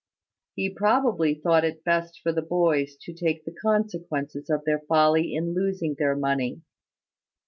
He probably thought it best for the boys to take the consequences of their folly in losing their money.